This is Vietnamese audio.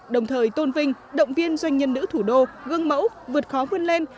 đồng thời tôn vinh động viên doanh nhân nữ thủ đô gương mẫu vượt khó vươn lên